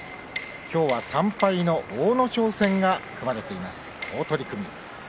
今日は３敗の阿武咲戦が組まれています、好取組。